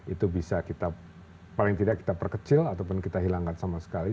itu bisa kita paling tidak kita perkecil ataupun kita hilangkan sama sekali